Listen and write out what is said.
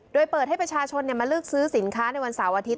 โดยเปิดให้ประชาชนมาเลือกซื้อสินค้าในวันเสาร์อาทิตย